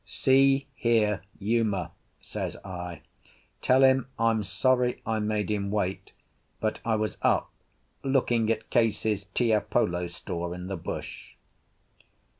"See here, Uma," says I, "tell him I'm sorry I made him wait, but I was up looking at Case's Tiapolo store in the bush."